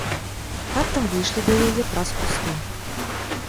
Раптам выйшлі да яе праз кусты.